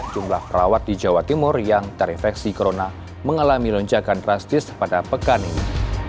jumlah perawat di jawa timur yang terinfeksi corona mengalami lonjakan drastis pada pekan ini